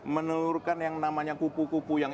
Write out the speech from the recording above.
menelurkan yang namanya kupu kupu yang